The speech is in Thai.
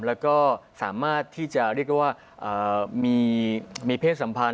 แล้วก็สามารถที่จะเรียกว่ามีเพศสัมพันธ